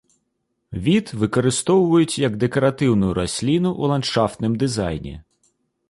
Від выкарыстоўваюць як дэкаратыўную расліну ў ландшафтным дызайне.